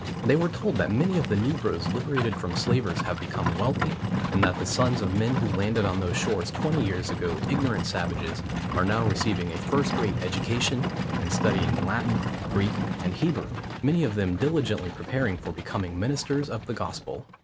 They were told that many of the negroes liberated from slavers have become wealthy, and that the sons of men who landed on those shores twenty years ago ignorant savages, are now receiving a first rate education, and studying Latin, Greek, and Hebrew, many of them diligently preparing for becoming ministers of the gospel.